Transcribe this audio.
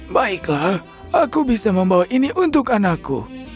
baiklah aku bisa membawa ini untuk anakku